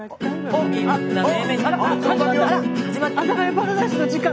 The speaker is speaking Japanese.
「阿佐ヶ谷パラダイス」の時間。